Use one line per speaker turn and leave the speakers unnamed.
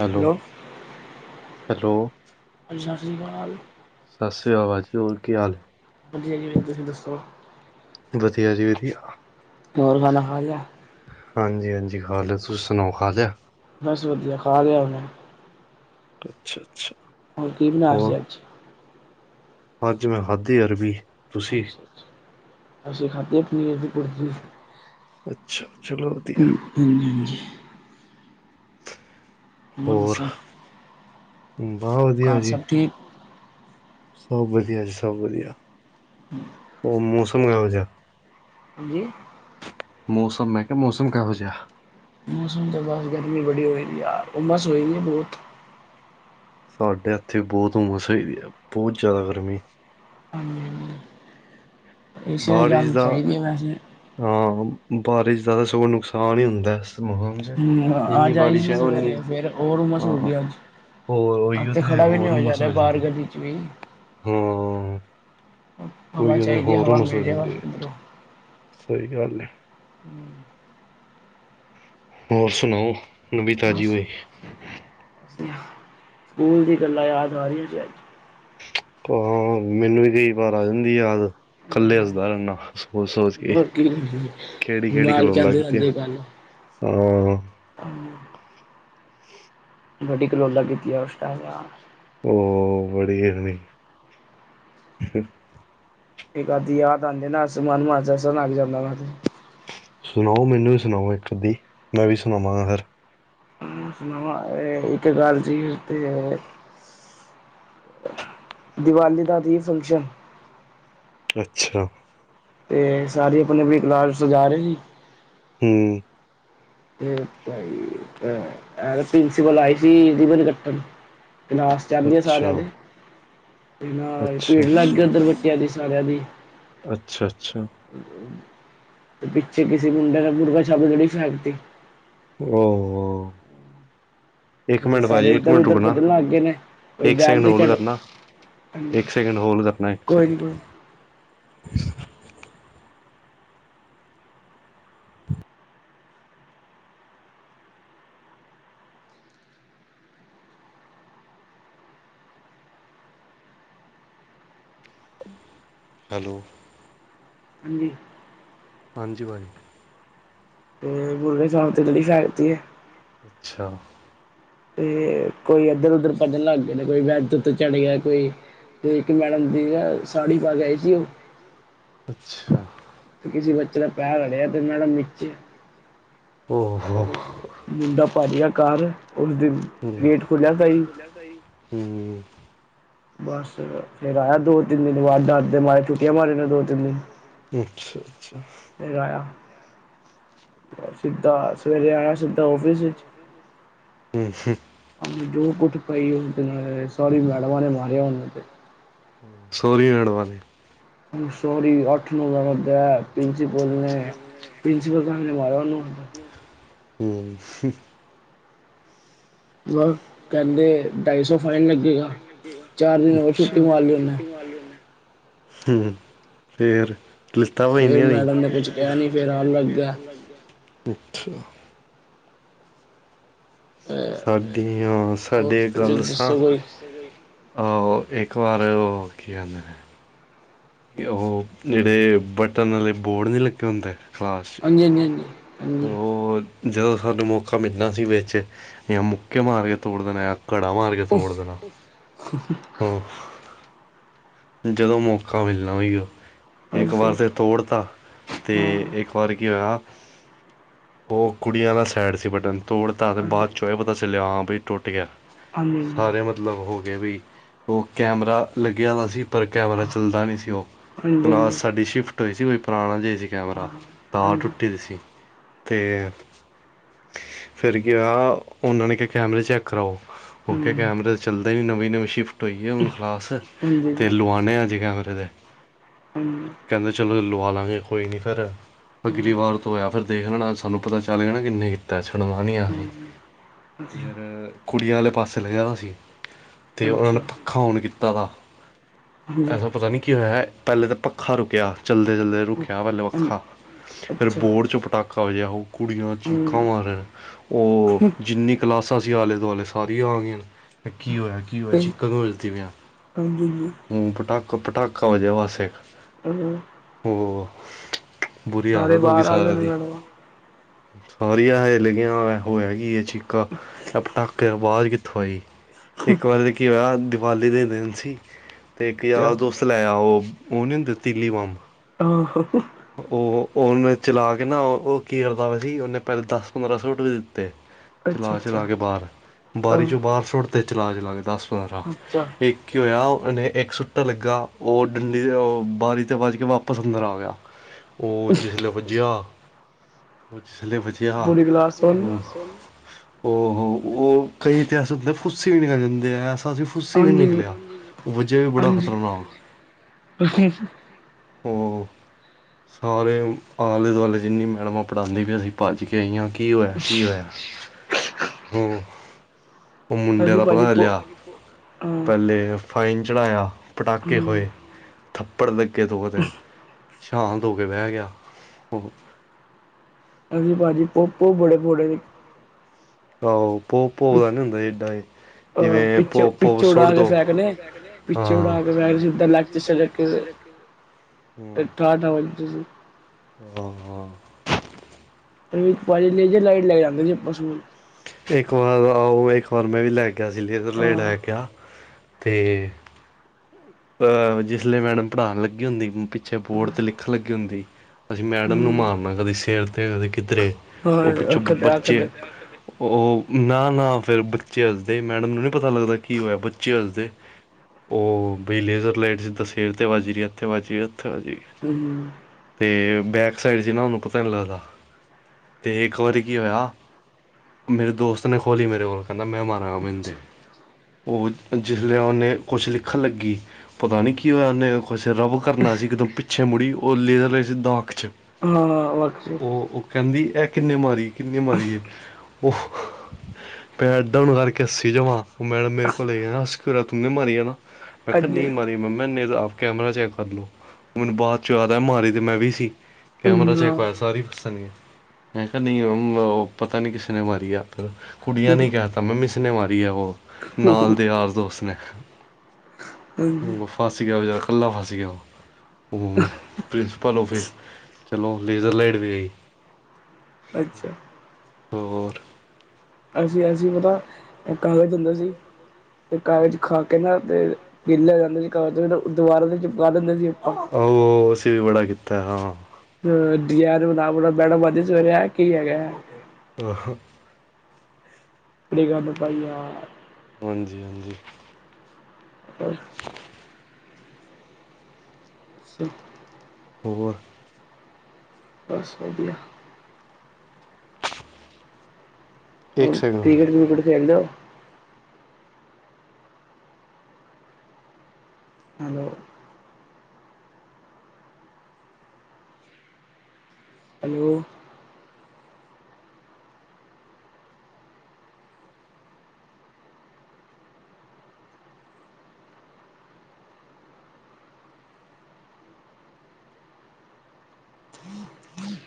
Hello, hello.
ਹਾਂਜੀ ਸਤਿ ਸ਼੍ਰੀ ਅਕਾਲ।
ਸਤਿ ਸ਼੍ਰੀ ਆਕਾਲ ਜੀ। ਹੋਰ ਕੀ ਹਾਲ ਹੈ।
ਹਾਂਜੀ। ਹਾਂਜੀ। ਤੁਸੀਂ ਦੱਸੋ।
ਵਧੀਆ ਜੀ ਵਧੀਆ।
ਹੋਰ, ਖਾਣਾ ਖਾ ਲਿਆ।
ਹਾਂਜੀ ਹਾਂਜੀ। ਖਾ ਲਿਆ। ਤੁਸੀਂ ਸੁਣਾਓ ਖਾ ਲਿਆ।
ਬਸ ਵਧੀਆ। ਖਾ ਲਿਆ ਹੁਨੇ।
ਅੱਛਾ ਅੱਛਾ।
ਹੋਰ, ਕਿ ਬਣਾਇਆ
ਹੋਰ
ਸੀ ਅੱਜ।
ਅੱਜ ਮੈਂ ਖਾਦੀ ਅਰਬੀ। ਤੁਸੀਂ
ਅੱਛਾ ਅੱਛਾ ਅਸੀਂ ਖਾਧੇ ਐ ਪਨੀਰ ਦੀ ਪੁਰਜੀ।
ਅੱਛਾ ਚਲੋ ਵਧੀਆ
ਹੂੰ ਹਾਂਜੀ। ਹੋਰ ਦੱਸੋ।
ਬਹ ਵਧੀਆ
ਘਰ
ਜੀ।
ਸਭ ਠੀਕ
ਸਭ ਵਧੀਆ ਜੀ ਸਭ ਵਧੀਆ ਹੋਰ ਮੌਸਮ ਕਿਹੋ ਜਿਹਾ।
ਹਾਂਜੀ
ਮੌਸਮ ਮੈਂ ਕਿਹਾ ਮੌਸਮ ਕਿਹੋ ਜਿਹਾ।
ਮੌਸਮ ਤੇ ਬਸ ਗਰਮੀ ਬੜੀ ਹੋਈ ਪਈ ਯਾਰ ਹੂਮਸ ਹੋਈ ਦੀ ਬਹੁਤ।
ਸਾਡੇ ਇੱਥੇ ਬਹੁਤ ਹੂਮਸ ਹੋਈ ਹੈ ਬਹੁਤ ਜ਼ਿਆਦਾ ਗਰਮੀ।
ਹੂੰ
ਬਾਰਿਸ਼ ਦਾ
ਚਾਹੀਦੀ ਹੈ ਵੈਸੇ
ਹਾਂ ਬਾਰਿਸ਼ ਦਾ ਤਾਂ ਸਗੋਂ ਨੁਕਸਾਨ ਹੀ ਹੁੰਦਾ। ਮੌਸਮ 'ਚ
ਹੂੰ
ਜਿੰਨੀ
ਅੱਜ ਆਈ
ਬਾਰਿਸ਼
ਸੀ
ਹੈ ਉਨੀ
ਸਵੇਰੇ ਫੇਰ ਹੋਰ ਹੂਮਸ
ਹਾਂ
ਹੋਗੀ ਅੱਜ।
ਹੋਰ
ਅੱਜ
ਉਹੀਓ
ਤੇ ਖੜਾ ਵੀ ਨੀ
ਹੋਰ
ਹੋਇਆ ਜਾ
ਉਮਸ
ਰਿਹਾ
ਹੋ
ਬਾਹਰ
ਜਾਂਦੀ ਹੈ।
ਗਲੀ ਚ ਵੀ।
ਹਾਂ
ਹਵਾ
ਉਹੀ ਉਹਦੇ
ਚਾਹੀਦੀ ਹੈ
ਹੋਰ
ਹਵਾ
ਉਮਸ ਹੋ
ਮਿਲ ਜਾਵੇ
ਜਾਂਦੀ ਹੈ।
ਬਸ
ਸਹੀ ਗੱਲ ਹੈ।
ਹੂੰ
ਹੋਰ ਸੁਣਾਓ ਨਵੀ ਤਾਜ਼ੀ
ਬਸ
ਕੋਈ?
ਸਕੂਲ ਦੀਆਂ ਗੱਲਾਂ ਯਾਦ ਆ ਰਹੀਆਂ ਜੇ ਅੱਜ।
ਹਾਂ, ਮੈਨੂੰ ਵੀ ਕਈ ਵਾਰ ਆ ਜਾਂਦੀ ਯਾਦ ਕੱਲਾ ਹੱਸਦਾ ਰਹਿਨਾ ਸੋਚ-ਸੋਚ ਕੇ,
ਹੋਰ ਕੀ
ਕਿਹੜੀ-ਕਿਹੜੀ
ਦਿਮਾਗ
ਕਲੋਲਾਂ ਕੀਤੀਆਂ। ਹਾਂ
ਹੁਂ
[inaudible]
ਵਡੀ ਕਲੋਲਾਂ ਕੀਤੀਆਂ ਉਸ ਟੈਮ ਯਾਰ।
ਹੋਓ, ਬੜੀ ਆਰਵੀ। ਠੀ
ਇੱਕਦ-ਆਧੀ ਯਾਦ ਆਂਦੇ ਨਾ, ਅਸ ਮਨ ਚ ਹਸਣ ਲੱਗ ਜਾਦਾਂ ਵਾ ਸੀ।
ਸੁਣਾਓ ਮੈਨੂੰ ਵੀ ਸੁਣਾਓ ਇੱਕ-ਅੱਧੀ, ਮੈਂ ਵੀ ਸੁਣਾਵਾਂਗਾ ਫਿਰ।
ੳਂਂ, ਨਵਾਂ, ਇਹ ਇੱਕ ਗੱਲ ਸੀ ਤੇ ਦੀਵਾਲੀ ਦਾ ਸੀ ਫੰਕਸ਼ਨ
ਅੱਛਾ।
ਤੇ ਸਾਰੀ ਆਪਣੀ-ਆਪਣੀ ਕਲਾਸ ਚ ਜਾ ਰਹੇ ਸੀ।
ਹੁਂ।
ਤੇ, ਭ ਈ ਅ ਅ, ਪ੍ਰਿੰਨਸੀਪਲ ਆਈ ਸੀ ਰੀਬਨ ਕਟਣ। ਕਲਾਸ ਚ ਆਨਦੀ ਹਾਂ
ਅੱਛਾ
ਸਾਰਿਆਂ ਦੇ। ਨਾ,
ਅੱਛਾ
ਭੀੜ ਲੱਗ ਗਈ ੳੱਧਰ ਬੱਚਿਆਂ ਦੀ, ਸਾਰਿਆਂ ਦੀ।
ਅੱਛਾ ਅੱਛਾ
ਤੇ ਪਿੱਛੇ ਕਿਸੇ ਮੁੰਡੇ ਨੇ ਮੁਰਗਾ ਛਾਪਦੀ ਲੜੀ ਛਡਤੀ
ਹੋਓਓ ਇੱਕ
ਬਈ
ਮਿੰਟ ਭਾਜੀ,
ਸਾਰੇ
ਇੱਕ
ਇੱਧਰ
ਮਿੰਟ
ਉਧਰ
ਰੁਕਣਾ,
ਭੱਜਣ ਲੱਗ ਗਏ ਨੇ ਕੋਈ
ਇੱਕ
ਵੈਨ
ਸੈਕਿੰਡ
ਤੇ
ਹੋਲਡ
ਚੜੇ
ਕਰਨਾ ਇੱਕ ਸੈਕਿੰਡ ਹੋਲਡ ਕਰਨਾ, ਇੱਕ
ਕੋਈ ਨੀ
ਸੈਕਿੰਡ।
ਕੋਈ
ਹੈਲੋ।
ਹਾਂਜੀ।
ਹਾਂਜੀ, ਪਾਜੀ।
ਤੇ ਮੁਰਗੇ ਛਾਪ ਤੇ ਵਡੀ ਸਾਡਤੀ ਹੈ।
ਅੱਛਾ।
ਤੇ ਕੋਈ ਇੱਧਰ-ਉਧਰ ਭੱਜਣ ਲੱਗ ਗਏ ਨੇ, ਕੋਈ ਵੈਦ
ਊੱਪਰ ਚੜ ਗਿਆ ਕੋਈ। ਓ
ਦੀ
ਇੱਕ
ਨਾ
ਮੈਡਮ ਸੀ ਨਾ,
ਸਾੜੀ ਪਾ ਕੇ ਆਈ ਸੀ
ਸਾਰੀ
ਉਹ
ਪਾ ਕੇ ਆਈ ਸੀ। ਅੱਛਾ।
ਤੇ ਕਿਸੇ ਬੱਚੇ ਦਾ ਪੈਰ ਅੜਿਆ, ਤੇ ਮੈਡਮ ਨੀਚ੍ਹੇ। ਹੋ, ਮੁੰਡਾ ਭਜਿ ਗਯਾ ਘਰ ਉਸ ਦਿਨ
ਹੁਂ,
ਗੇਟ ਖੁੱਲਿਆ
ਗੇਟ
ਸਹੀ
ਖੁਲਯਾ ਸਈ, ਹੁਂ।
ਬਸ ਫੇਰ ਆਇਆ ਦੋ ਤਿੰਨ
ਆ
ਦਿਨ
ਦੋ
ਬਾਅਦ
ਤਿੰਨ
ਡਰ
ਦਿਨ
ਦੇ
ਬਾਅਦ
ਮਾਰੇ
ਡਰਦੇ
ਛੁੱਟੀਆਂ
ਮ
ਮਾਰੇ ਨੇ ਦੋ
ਛੁੱਟੀਆਂ
ਤਿੰਨ
ਮਾਰ
ਦਿਨ
ਨੇ ਦੋ-ਤਿੰਨ ਦਿ
ਆਯਾ ਸਿੱਧਾ, ਸਵੇਰੇ ਆਇਯਾ, ਸਿੱਧਾ ਆੱਫਿਸ ਵਿੱਚ
ਹੂੰ
ਹਾਂਜੀ, ਬਓਤ ਕੋਟ ਪਈ ਓਨ੍ਹੂਂ ਤੇ, ਹਾਯ-ਹਾਯ, ਸਾਰੀ ਮੈਡਮਾਂ ਨੇ ਮਾਰਯਾ ਓਨ੍ਹੂਂ ਤੇ।
ਸੋਹਰੀ ਰਣ ਵਾਲੀ
ਸਾਰੀ ਅੱਠ-ਨੌ ਜਨੇ, ਬੈਟ, ਪ੍ਰਿੰਸੀਪਲ ਨੇ, ਪ੍ਰਿੰਸੀਪਲ ਸਰ ਨੇ ਮਾਰਯਾ ਉਹਨੂੰ।
ਹੁਂ, ਹੁਂ।
ਬੱਸ
ਕਹਿੰਦੇ, ਢਾਈ ਸੌ ਫਾਈਨ ਲੱਗੇਗਾ।
ਚਾਰ ਦਿਨ ਹੋਰ
ਅਛਾ।
ਛੁੱਟੀ
ਚਾਰ
ਮਾਰ
ਦਿਨਾਂ
ਲਈ
ਦੀ
ਉਹਨੇ
ਛੁੱਟੀ ਮਾਰ ਲਈ ਉਹਨੇ ਹੁਂ, ਫੇਿਰ? ਲਤਾਂ
ਫੇਰ
ਭਜਨੀਯਾਂ ਸੀ?
ਮੈਡਮ ਨੇ
ਫੇਰ
ਕੁਛ
ਮੈਡਮ
ਕਿਹਾ
ਨੇ
ਨੀ
ਕੁੰਛ
ਫੇਰ
ਕਿਹਾ
ਆਉਣ
ਨ ਇ,
ਲੱਗ
ਫੇਰ
ਗਿਆ।
ਆਵਣ ਲਗ ਗਯਾ। ਅਛਾ। ਸਾਡੀਆਂ,
ਹੋਰ
ਸਾਡੇ
ਤੁਸੀਂ
ਗੱਲ ਦਸਾਂ?
ਦੱਸੋ ਕੋਈ
ਆਹੋ ਇੱਕ ਵਾਰ ਉਹ ਕੀ ਆਦੇ ਨੇ? ਉਹ ਜਿਹੜੇ ਬਟਨ ਵਾਲੇ ਬੋਰਡ ਨੀ ਲੱਗੇ ਹੁੰਦੇ? ਕਲਾਸ 'ਚ
ਹਾਂਜੀ -ਹਾਂਜੀ, ਹਾਂਜੀ।
ਉਹ, ਜਦੋਂ ਸਾਨੂੰ ਮੌਕਾ ਮਿਲਣਾ ਸੀ ਵਿੱਚ, ਜਾਂ ਮੁੱਕੇ ਮਾਰ ਕੇ ਤੋੜ ਦੇਣਾ ਆ- ਘੜਾ ਮਾਰ ਕੇ ਸੋੜ ਦੇਣਾ ਉਹ। ਜਦੋਂ ਮੌਕਾ ਮਿਲਣਾ ਗਾ। ਇੱਕ
ਹਾਂਜੀ
ਵਾਰ
ਹਾਂਜੀ
ਫਿਰ ਤੋੜਤਾ ਤੇ
ਹਾਂ
ਇੱਕ ਵਾਰ ਕੀ ਹੋਇਆ। ਉਹ ਕੁੜੀਆਂ ਦਾ ਸਾਈਡ ਸੀ ਬਟਨ ਤੋੜਤਾ ਤੇ
ਹਾਂਜੀ ਹਾਂਜੀ
ਬਾਅਦ ਚੋਂ ਇਹ ਪਤਾ ਚੱਲਿਆ ਹਾਂ ਬਈ। ਟੁੱਟ ਗਿਆ
ਹਾਂਜੀ ਹਾਂਜੀ
ਸਾਰੇ ਮਤਲਬ ਹੋ ਗਏ ਵੀ ਉਹ ਕੈਮਰਾ ਲੱਗਿਆ ਤਾਂ ਸੀ। ਪਰ ਕੈਮਰਾ
ਹਾਂ
ਚੱਲਦਾ ਨਹੀਂ ਸੀ ਉਹ
ਹਾਂਜੀ
ਕਲਾਸ
ਹੂੰ
ਸਾਡੀ ਸ਼ਿਫਟ ਹੋਈ ਸੀ ਕੋਈ ਪੁਰਾਣਾ ਜੇ। ਕੈਮਰਾ
ਹਾਂਜੀ
ਤਾਰ ਟੁੱਟੀ ਦੀ ਸੀ। ਅਤੇ ਫਿਰ ਕੀ ਹੋਇਆ ਉਹਨਾਂ ਨੇ ਕਿਹਾ ਕੈਮਰੇ ਚੈੱਕ ਕਰਾਓ। ਉਹ ਕੇ ਕੈਮਰੇ ਤਾਂ ਚਲਦੇ ਨੀ ਨਵੇਂ ਨਵੇਂ ਸ਼ਿਫਟ ਹੋਏ ਹੁਣ ਕਲਾਸ
ਹਾਂਜੀ
ਤੇ ਲਿਆਣੇ ਆ ਅੱਜ ਕੈਮਰੇ।
ਹੂੰ
ਕਹਿੰਦੇ ਚਲੋ ਲਆ ਲਵਾਂਗੇ ਕੋਈ ਨਹੀਂ ਫਿਰ। ਅਗਲੀ ਵਾਰ ਤੋਂ ਹੋਇਆ ਫਿਰ ਦੇਖ ਲਣਾ ਸਾਨੂੰ ਪਤਾ ਚੱਲ ਜਾਣਾ ਕਿੰਨੇ ਕਿ ਕੀਤਾ ਚ। ਸੁਣਵਾਨੀਆਂਸੀ ਸੀ
ਹੂੰ ਹਾਂਜੀ
ਫਿਰ ਕੁੜੀ ਵਾਲੇ ਪਾਸੇ ਲੱਗਿਆ ਸੀ। ਤੇ ਉਹਨਾਂ
ਅੱਛਾ
ਨੇ ਪੱਖਾ ੳਨ ਕੀਤਾ ਤਾ ਐਸਾ
ਹਾਂਜੀ
ਪਤਾ ਨਹੀਂ ਕੀ ਹੋਇਆ ਹੈ। ਪਹਿਲੇ ਤਾਂ ਪੱਖਾ ਰੁਕਿਆ ਚਲਦੇ ਚਲਦੇ ਰੁਕਿਆ ਪਹਿਲਲੇ ਪੱਖਾ ਫਿਰ
ਅੱਛਾ
ਬੋਰਡ ਚੌ ਪਟਾਕਾ। ਕੁੀ ਕ [unintelligible] ਸ ਅਸੀਂ ਆਲੇ ਦੁਆਲੇ ਸਾਰ ਆ ਗਏ ਨੇ ਕੀ ਹੋਇਆ ਕੀ ਹੋਇਆ
ਤੇ
ਚੀਕਾਂ ਕਿਉ ਵਜਦੀ ਪਿਆ।
ਹਾਂਜੀ ਜੀ
ਹਮ ਪਟਾਕਾ ਪਟਾਕਾ ਹੋਜ ਵਾਸ ਏਕ।
ਹਮ।
ਉਹ ਬੁਰੀ ਆਦਤ ਹੋ ਗਈ
ਆ ਗਏ
ਸਾਰਿਆਂ
ਨੇ
ਦੀ।
ਮੈਡਮ
ਸਾਰੀਆਂ ਹਿਲਗੀਆਂ ਹੋਇਆ ਕੀ ਚੀਕਾ ਇਹ ਪਟਾਕੇ ਆਵਾਜ਼ ਕਿੱਥੋਂ ਆਈ। ਇੱਕ ਵਾਰੀ ਤਾਂ ਕੀ ਹੋਇਆ ਦੀਵਾਲੀ ਦੇ ਦਿਨ ਸੀ। ਅਤੇ ਇੱਕ
ਅੱਛਾ
ਯਾਰ ਤੁਸੀ ਲੈ ਆਓ ਉਹ ਨਹੀਂ ਹੁੰਦੇ ਤੀਲੀ ਬੰਬ।
ਹਾਂ।
ਉਹ ਉਹਹਨੇ ਚਲਾ ਕੇ ਨਾ ਉਹ ਕੀ ਕਰਦਾ ਵਾ ਸੀ ਉਹਨੇ ਪਹਿਲੇ ਦਸ ਪੰਦਰਾਂ ਸੁਟ ਰਪ। ਅਤੇ
ਅੱਛਾ
ਚਲਾ ਕੇ ਚਲਾ
ਅੱਛਾ
ਕੇ ਬਾਹਰ ਬਾਰੀ ਚੋਂ
ਆਹ
ਬਾਹਰ ਸੁੱਟ ਤੇ ਚਲਾ ਕੇ ਚਲਾ ਕੇ ਦਸ। ਸਾਰਰਾ
ਅੱਛਾ
ਇੱਕ ਕੀ ਹੋਇਆ। ਨੇ ਇੱਕ ਸੁੱਟਾ ਲੱਗਾ ਉਹ ਡੰਡੀ ' ਬਾਰੀ 'ਤੇ ਵਜ ਕੇ ਵਾਪਸ ਅੰਦਰ ਆ ਗਿਆ। ਉਹ ਜਿਸ ਵੇਲੇ ਪੁੱਜਿਆ। ਜਲ ਲਈ ਬਚਿਆ।
ਪੂਰੀ ਕਲਾਸ ਸੁਣ
ਹੋ ਉਹ ਕਈ ਤੇ ਅਸੀਦੇ ਖੁੱਸਸੀ ਵੀ ਨਹੀ ਕੇ ਜਾਂਦੇ ਆ। ਸ ਫੁੱਸੀ ਵੀ ਨਹੀਂ
ਹਾਂਜੀ
ਨਿਕਲਿਆ ਉਹ ਵਜ੍ਹਾ ਵੀ ਬੜਾ
ਹਾਂਜੀ
ਖਤਰਨਾਕ। ਹਾਂ। ਸਾਰੇ ਆਲੇ ਦੁਆਲੇ ਜਿੰਨੀ ਮੈਡਮਾਂ ਪੜ੍ਹਾਂਦੀ ਵੀ ਸੀਂ ਭੱਜ ਕੇ ਆਈ। ਕੀ ਹੋਇਆ ਕੀ ਹੋਇਆ ਹੂੰ। ਉਹ ਮੁੰਡੇ
ਅਸੀਂ
ਦਾ
ਭਾਜੀ
ਪਤਾ
ਪੋ
ਚੱਲਿਆ
ਅਹ
ਪਹਿਲੇ ਫਾਈਨ ਚੜ੍ਹਾਇਆ। ਪਟਾਕੇ
ਹਮ
ਹੋਏ ਥੱਪੜ ਲੱਗੇ ਦੋ ਦਿਨ। ਸ਼ਾਤ ਹੋ ਕੇ ਬਹਿ ਗਿਆ ਉਹ।
ਅਸੀਂ ਭਾਜੀ ਭੁਪੋ ਬੜੇ-ਬੜੇ ਨੇ।
ਆਹੋ ਭੋ-ਭੋ ਦਾ ਨੀ ਹੁੰਦਾ ਏਡਾ
ਅਹ
ਜਿਵੇਂ
ਪਿੱਛੇ
ਭੋ-ਭੋ
ਪਿੱਛੇ
ਸੁੱਟ
ਉਡਾ ਕੇ
ਦੋ।
ਫੈਕਨੇ ਪਿੱਛੇ ਉਡਾ ਕੇ ਫੈਕ
[unintelligible] [unintelligible]
[unintelligible] ਤੁਸੀ।
ਹਾਂ-ਹਾਂ।
ਨੇ ਲਾਈਟ ਲੈ ਜਾਂਦੇ ਸੀ [unintelligible]
ਇੱਕ ਵਾਰ ਆਓ ਇੱਕ ਵਾਰ ਮੈਂ ਵੀ ਲੈ ਗਿਆ ਸੀ ਉਧਰਲੇ
ਹਾਂ
ਲੈ ਗਿਆ। ਤੇ। ਅਹ ਜਿਸ ਵੇਲੇ ਮੈਡਮ ਪੜ੍ਹਾਉਣ ਲੱਗੀ ਹੁੰਦੀ ਪਿੱਛੇ ਬੋਰਡ ਤੇ ਲਿਖਣ ਲੱਗੀ ਹੁੰਦੀ। ਅਸੀਂ ਮੈਡਮ ਨੂੰ
ਹਮ
ਮਾਰਨਾ ਕਦੇ ਸਿਰ ਤੇ ਕਦੇ ਕਿੱਧਰੇ ਉਹ ਪਿੱਛੋਂ ਬੱਚੇ। ਉਹ। ਨਾ ਨਾ ਫਿਰ ਬੱਚੇ ਹੱਸਦੇ ਮੈਡਮ ਨੂੰ ਨਹੀਂ ਪਤਾ ਲੱਗਦਾ ਕੀ ਉਹ ਹੈ ਬੱਚੇ ਹੱਸਦੇ। [unintelligible] [unintelligible] ਬਈ ਲੇਜ਼ਰ ਲਾਈਟ ਜਿੱਦਾਂ ਸਿਰ ਤੇ ਵੱਜੀ ਰਹੀ ਇੱਥੇ ਵੱਜੀ, ਉੱਥੇ ਵੱਜੀ ਤੇ ਬੈਕ ਸਾਈਡ 'ਚ ਨਾ ਉਹਨੂੰ ਪਤਾ ਨੀ ਲੱਗਦਾ। ਤੇ ਇੱਕ ਵਾਰੀ ਕੀ ਹੋਇਆ, ਮੇਰੇ ਦੋਸਤ ਨੇ ਖੋਹ ਲੀ ਮੇਰੇ ਕੋਲੋ। ਕਹਿੰਦਾ ਮੈ ਮਾਰਾਗਾ ਮੈਨੂੰ ਦੇ, ਉਹ ਜਿਸਨੇ ਉਹਨੇ ਕੁਛ ਲਿਖਣ ਲੱਗੀ ਪਤਾ ਨੀ ਕੀ ਹੋਇਆ ਉਹਨੇ ਕੁਛ ਰੱਬ ਕਰਨਾ ਸੀ ਇੱਕਦਮ ਪਿੱਛੇ ਮੁੜੀ ਉਹ ਲੇਜ਼ਰ ਲਾਈਟ ਸਿੱਧਾ ਅੱਖ ਚ ਉਹ ਉਹ ਕਹਿੰਦੀ ਇਹ ਕਿੰਨੇ ਮਾਰੀ ਕਿੰਨੇ ਮਾਰੀ? ਉਹ, ਹੈੱਡ ਡਾਊਨ ਕਰਕੇ ਹੱਸੀ ਜਾਵਾਂ ਉਹ ਮੈਡਮ ਮੇਰੇ ਕੋਲ ਆ ਗਈ ਹੱਸ ਕਿਉਂ ਰਿਹਾ ਤੂੰ? ਤੂਨੇ ਮਾਰੀ ਆ ਨਾ ਮੈਂ ਕਿਹਾ ਨਹੀਂ ਮਾਰੀ ਮੈਂਮ ਮੈਂ ਕੈਮਰਾ ਚੈੱਕ ਕਰ ਲਓ ਮੈਨੂੰ ਬਾਅਦ ਚ ਯਾਦ ਆਈਆ ਮਾਰੀ ਤੇ ਮੈਂ ਵੀ ਸੀ। ਕੈਮਰਾ ਚੈੱਕ ਹੋਇਆ ਸਾਰੀ ਫਸਣਗੇ। ਮੈਂ ਕਿਹਾ ਨਹੀਂ ਪਤਾ ਨਹੀਂ ਕਿਸੇ ਨੇ ਮਾਰੀ ਆਪ ਫਿਰ ਕੁੜੀਆਂ ਨਹੀਂ ਕਹਿ ਤਾ ਮੈਮ ਇਸ ਨੇ ਮਾਰੀ। ਵੀ ਉਹੋ ਨਾਲ ਦੇ ਯਾਰ ਦੋਸਤ ਨੇ।
ਹਾਂਜੀ
ਫਸ ਗਿਆ ਬੇਚਾਰਾ ਇਕੱਲਾ ਫਸ ਗਿਆ। ਉਹ ਪ੍ਰਿੰਸੀਪਲ ਔਫਿਸ ਚਲੋ ਲੇਜ਼ਰ ਲਾਈਟ ਵੀ ਆਈ।
ਅੱਛਾ ਅਸੀਂ-ਅਸੀਂ ਪਤਾ ਕਾਗਜ਼ ਹੁੰਦੇ ਸੀ, ਤੇ ਕਾਗਜ਼ ਖਾ ਕੇ ਨਾ ਤੇ ਕਿ ਲਿਆ ਜਾਂਦਾ ਸੀ ਕਾਗ਼ਜ਼ ਜਦੋਂ ਉਹ ਦੁਬਾਰਾ ਤੋਂ ਚਿਪਕਾ ਦਿੰਦੇ ਸੀ। ਆਪਾਂ
ਆਹ ਅਸੀਂ ਵੀ ਬੜਾ ਕੀਤਾ ਹਾਂ।
ਯਾਰ [unintelligible] ਬੈਠ ਵਦੀ ਸਵੇਰੇ ਆ ਕੀ ਹੈਗਾ।
[unintelligible]
ਕਿਹੜੀ ਗੱਲ ਭਾਈਆ
ਹਾਂਜੀ-ਹਾਂਜੀ
[unintelligible] ਅੱਛਾ
ਹੋਰ
ਬਸ ਵਧੀਆ।
ਇੱਕ
ਹੁਣ
ਸੈਕਿੰਡ
ਕ੍ਰਿਕਟ ਕਰੂਕਟ ਕਟ ਖੇਡਦੇ ਹੋ? Hello hello [unintelligible]